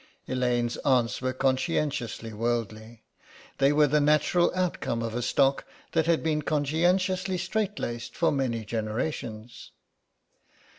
Elaine's aunts were conscientiously worldly; they were the natural outcome of a stock that had been conscientiously straight laced for many generations.